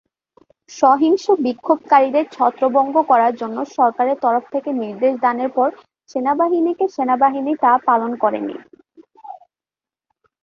সহিংস বিক্ষোভকারীদের ছত্রভঙ্গ করার জন্য সরকারের তরফ থেকে নির্দেশ দানের পর সেনাবাহিনীকে সেনাবাহিনী তা পালন করে নি।